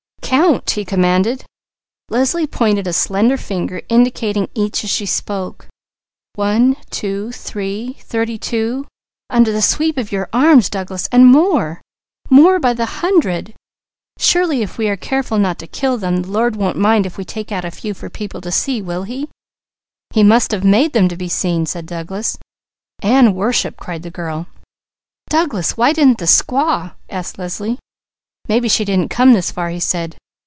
"Count!" he commanded. Leslie pointed a slender finger indicating each as she spoke: "One, two, three thirty two, under the sweep of your arms, Douglas! And more! More by the hundred! Surely if we are careful not to kill them, the Lord won't mind if we take out a few for people to see, will He?" "He must have made them to be seen!" said Douglas. "And worshipped!" cried the girl. "Douglas, why didn't the squaw ?" asked Leslie. "Maybe she didn't come this far," he said.